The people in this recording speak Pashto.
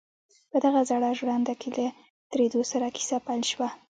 په دغه زړه ژرنده کې له درېدو سره کيسه پيل شوه.